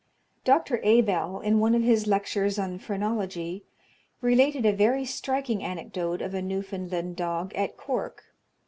Dr. Abell, in one of his lectures on phrenology, related a very striking anecdote of a Newfoundland dog at Cork.